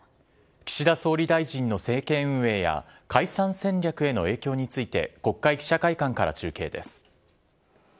岸田総理大臣の政権運営や解散戦略への影響について、国会記者会館から中継です。